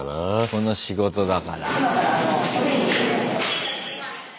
この仕事だから。